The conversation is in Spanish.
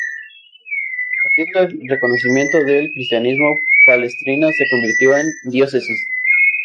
A partir del reconocimiento del Cristianismo, Palestrina se convirtió en diócesis.